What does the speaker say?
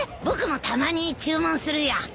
僕もたまに注文するよ。